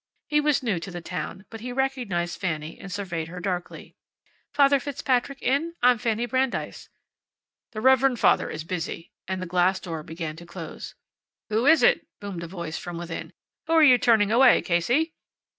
He was new to the town, but he recognized Fanny and surveyed her darkly. "Father Fitzpatrick in? I'm Fanny Brandeis." "The reverend father is busy," and the glass door began to close. "Who is it?" boomed a voice from within. "Who're you turning away, Casey?"